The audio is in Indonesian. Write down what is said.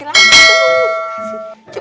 ini ngerti cewek